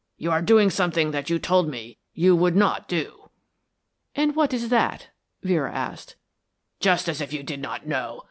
You are doing something that you told me you would not do." "And what is that?" Vera asked. "Just as if you did not know.